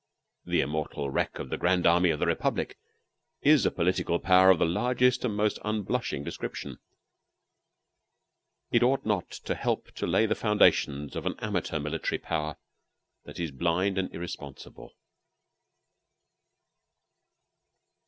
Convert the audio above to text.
The immortal wreck of the Grand Army of the Republic is a political power of the largest and most unblushing description. It ought not to help to lay the foundations of an amateur military power that is blind and irresponsible.